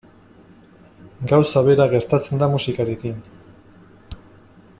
Gauza bera gertatzen da musikarekin.